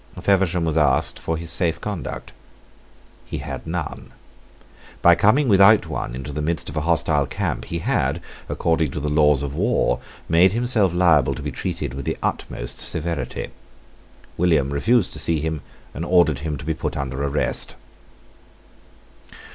Feversham was asked for his safe conduct. He had none. By coming without one into the midst of a hostile camp, he had, according to the laws of war, made himself liable to be treated with the utmost severity. William refused to see him, and ordered him to be put under arrest.